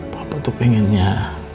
papa tuh pengennya